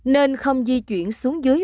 nên không di chuyển xuống dưới